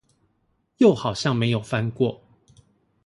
又好像沒有翻過